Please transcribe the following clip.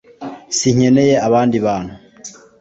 Sinkeneye abandi bantu